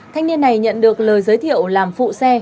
thanh niên này nhận được lời giới thiệu làm phụ xe